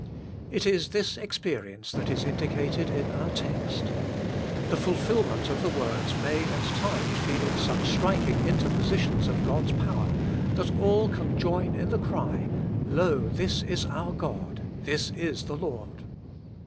It is this experience that is indicated in our text. The fulfilment of the words may, at times, be in such striking interpositions of God's power that all can join in the cry, ' Lo, this is our God; this is thb Lord!'